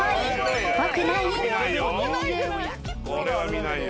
これは見ないよ。